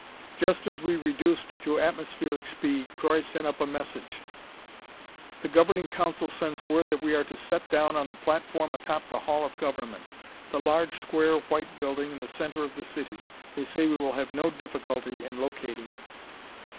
Just as we reduced to atmospheric speed, Croy sent up a message "The Governing Council sends word that we are to set down on the platform atop the Hall of Government, the large, square white building in the center of the city. They say we will have no difficulty in locating it."